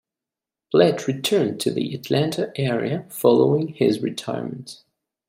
Plett returned to the Atlanta area following his retirement.